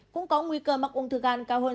cũng có nguy cơ mắc ung thư gan cao hơn